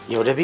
ya udah bi